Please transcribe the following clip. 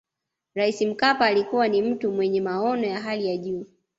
rais mkapa alikuwa ni mtu mwenye maono ya hali ya juu